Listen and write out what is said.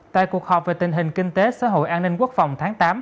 tại cuộc họp về tình hình kinh tế xã hội an ninh quốc phòng tháng tám